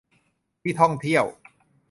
ที่ท่องเที่ยว